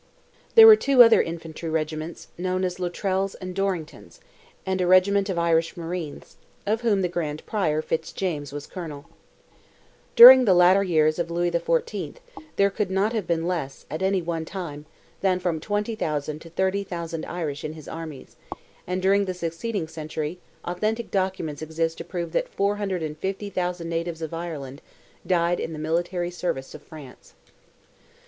There were two other infantry regiments, known as Luttrel's and Dorrington's—and a regiment of Irish marines, of which the Grand Prior, Fitzjames, was colonel. During the latter years of Louis XIV., there could not have been less, at any one time, than from 20,000 to 30,000 Irish in his armies, and during the succeeding century, authentic documents exist to prove that 450,000 natives of Ireland died in the military service of France.